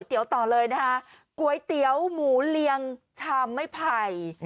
เตี๋วต่อเลยนะคะก๋วยเตี๋ยวหมูเลียงชามไม่ไผ่